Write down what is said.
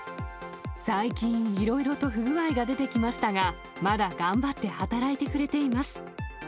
最近、いろいろと不具合が出てきましたが、まだ頑張って働いてくれています。